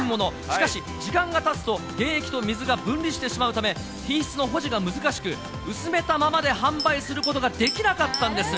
しかし、時間がたつと原液と水が分離してしまうため、品質の保持が難しく、薄めたままで販売することができなかったんです。